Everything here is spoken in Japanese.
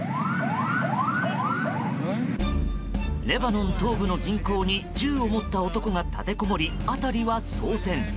レバノン東部の銀行に銃を持った男が立てこもり辺りは騒然。